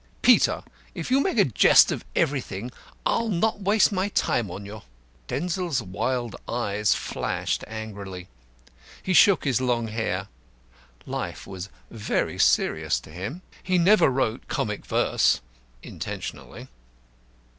"Peter, if you make a jest of everything, I'll not waste my time on you." Denzil's wild eyes flashed angrily. He shook his long hair. Life was very serious to him. He never wrote comic verse intentionally.